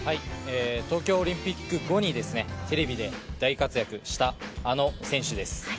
東京オリンピック後にテレビで大活躍したあの選手です。